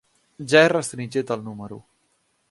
Ja he restringit el número.